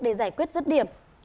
để giải quyết rứt điểm